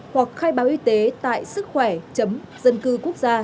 hoặc khai báo y tế tại sứckhoẻ dân cư quốc gia